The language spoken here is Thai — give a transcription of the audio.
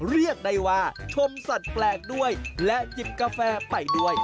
เรียกได้ว่าชมสัตว์แปลกด้วยและจิบกาแฟไปด้วย